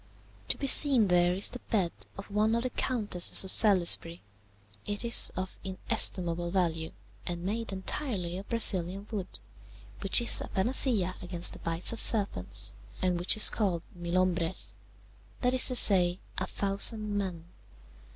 To be seen there is the bed of one of the Countesses of Salisbury: it is of inestimable value and made entirely of Brazilian wood, which is a panacea against the bites of serpents, and which is called milhombres that is to say, a thousand men.